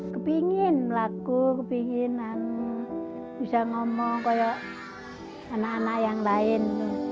kebingin melaku kebingin bisa ngomong seperti anak anak yang lain